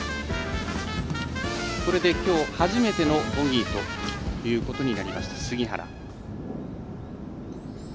これで、きょう初めてのボギーということになります、杉原。